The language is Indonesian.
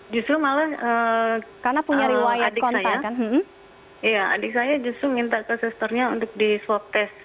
justru malah adik saya justru minta ke susternya untuk di swab test